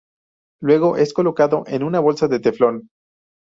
Luego es colocado en una bolsa de teflón.